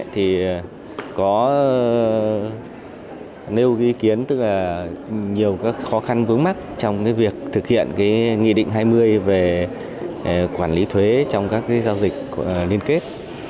thì có nêu ý kiến tức là nhiều các khó khăn vướng mắt trong việc thực hiện cái nghị định hai mươi về quản lý thuế trong các giao dịch liên kết